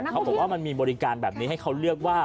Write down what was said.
เขาบอกว่ามันมีบริการแบบนี้ให้เขาเลือกว่า